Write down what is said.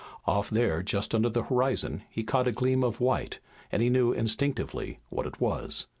Off there just under the horizon he caught a gleam of white and he knew instinctively what it was.